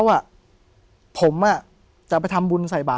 ผมก็ไม่เคยเห็นว่าคุณจะมาทำอะไรให้คุณหรือเปล่า